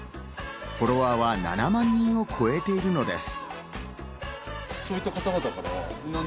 フォロワーは７万人を超えているのです。